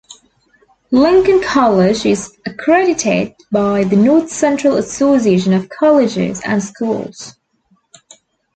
Lincoln College is accredited by the North Central Association of Colleges and Schools.